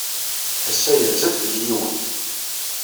Ass-a, yerza-d fell-i yiwen.